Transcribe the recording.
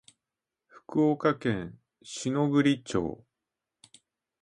福岡県篠栗町